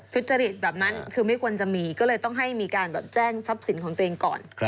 ทุจริตแบบนั้นคือไม่ควรจะมีก็เลยต้องให้มีการแจ้งทรัพย์สินของตัวเองก่อน